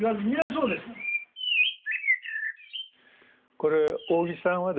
これ扇さんはですね